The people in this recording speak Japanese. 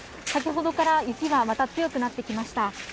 先ほどから雪がまた強くなってきました。